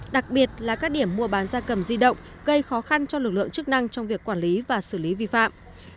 đặc biệt là các điểm mua bán gia cầm di động gây khó khăn cho lực lượng chức năng trong việc quản lý và xử lý vi phạm